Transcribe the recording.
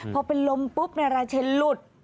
พอเป็นลมปุ๊บนายราชเชนหลุด